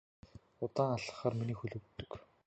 Удаан алхахлаар миний хөл өвддөг.